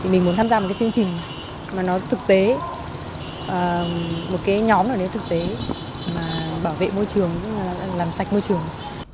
mình muốn tham gia một cái chương trình mà nó thực tế một cái nhóm nào nếu thực tế mà bảo vệ môi trường làm sạch môi trường